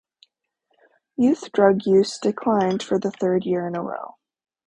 Youth drug use declined for the third year in a row.